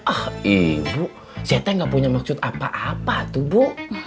ah ibu ceteng gak punya maksud apa apa tuh bu